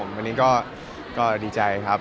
วันนี้ก็ดีใจครับ